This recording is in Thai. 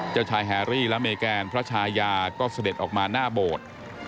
เจ้าชายแฮรี่และเมแกนพระชายาก็เสด็จออกมาหน้าโบสถ์